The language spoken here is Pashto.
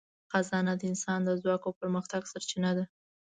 خزانه د انسان د ځواک او پرمختګ سرچینه ده.